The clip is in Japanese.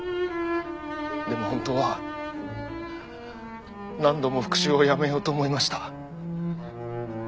でも本当は何度も復讐をやめようと思いました。